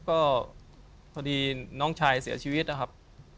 ก็พอดีน้องชายเสียชีวิตนะครับ